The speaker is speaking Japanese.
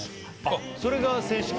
あっそれが正式？